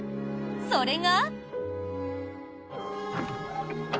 それが。